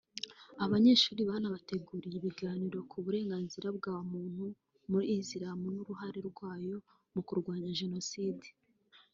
aba banyeshuri banateguriwe ibiganiro ku burenganizra bwa muntu muri Islam n’uruhare rwayo mu kurwanya Jenoside